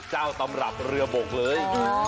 เจ้าตำรับเรือบกเลย